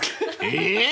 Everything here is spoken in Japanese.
［えっ！？］